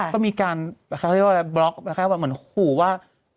ก็มีการบล็อกแค่ว่าเหมือนขู่ว่า